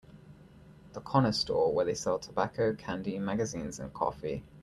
The Connah Store where they sell tobacco, candy, magazines, and coffee.